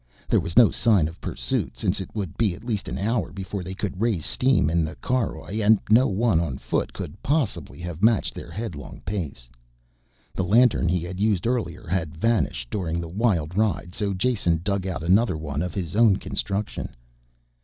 There was no sign of pursuit since it would be at least an hour before they could raise steam in the caroj and no one on foot could have possibly matched their headlong pace. The lantern he had used earlier had vanished during the wild ride so Jason dug out another one of his own construction.